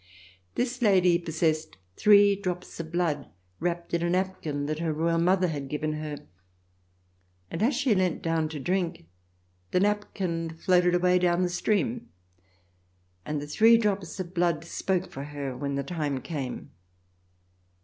This lady possessed three drops of blood, wrapped in a napkin that her royal mother had given her, and as she leant down to drink the napkin floated away down the stream, and the three drops of blood spoke for her when the time came.